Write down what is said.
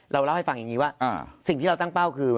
เราเล่าให้ฟังอย่างนี้ว่าสิ่งที่เราตั้งเป้าคือ